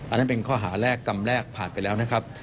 อันนั้นเป็นข้อหาแรกกรรมแรกผ่านไปแล้วนะครับ